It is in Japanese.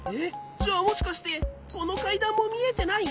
じゃあもしかしてこのかいだんもみえてない？